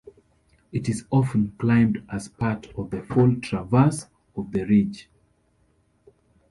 It is often climbed as part of a full traverse of the ridge.